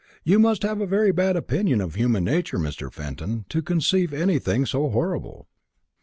You must have a very bad opinion of human nature, Mr. Fenton, to conceive anything so horrible."